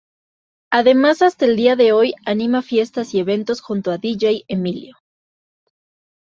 Además hasta el día de hoy anima fiestas y eventos junto a Dj Emilio.